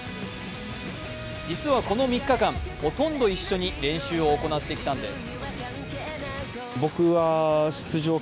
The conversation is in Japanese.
実はこの３日間、ほとんど一緒に練習を行ってきたんです。